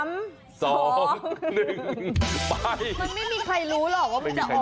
มันไม่มีใครรู้หรอกว่ามันจะออก